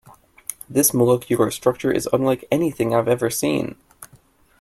This molecular structure is unlike anything I've ever seen.